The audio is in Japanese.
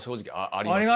ありました？